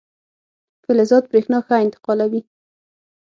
فلزات برېښنا ښه انتقالوي.